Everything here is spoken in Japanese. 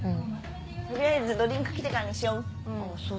取りあえずドリンク来てからにしよう。